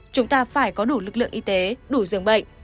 chúng ta phải có đủ lực lượng y tế đủ dường bệnh